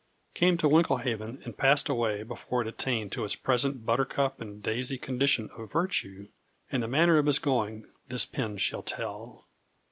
came to Winklehaven and passed away before it attained to its present buttercup and daisy condition of virtue; and the manner of his going this pen shall tell.